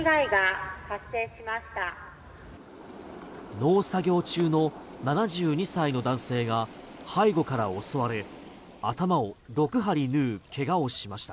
農作業中の７２歳の男性が背後から襲われ頭を６針縫う怪我をしました。